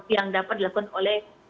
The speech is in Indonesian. yang dapat dilakukan oleh